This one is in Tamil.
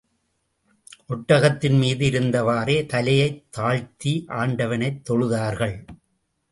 ஒட்டகத்தின் மீது இருந்தவாறே, தலையைத் தாழ்த்தி, ஆண்டவனைத் தொழுதார்கள்.